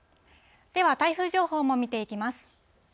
では、台風情報も見ていきます。